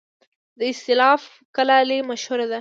د استالف کلالي مشهوره ده